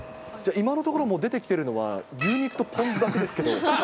今のところ出てきてるのは、牛肉とポン酢だけですけど。